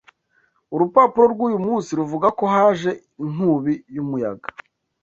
Urupapuro rwuyu munsi ruvuga ko haje inkubi y'umuyaga.